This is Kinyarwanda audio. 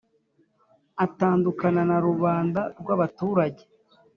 atandukana na rubanda rw abaturage